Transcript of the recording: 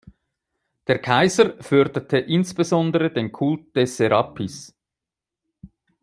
Der Kaiser förderte insbesondere den Kult des Serapis.